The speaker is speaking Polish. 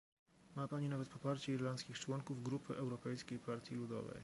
Ma Pani nawet poparcie irlandzkich członków grupy Europejskiej Partii Ludowej